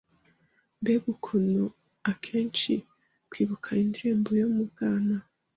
Mbega ukuntu akenshi kwibuka indirimbo yo mu bwana